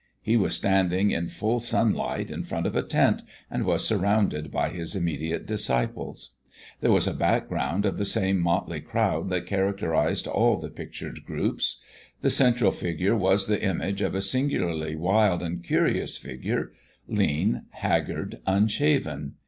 He was standing in full sunlight in front of a tent, and was surrounded by his immediate disciples. There was a background of the same motley crowd that characterized all the pictured groups. The central figure was the image of a singularly wild and curious figure lean, haggard, unshaven.